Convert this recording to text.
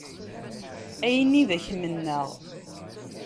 Ayen i d ak-mennaɣ.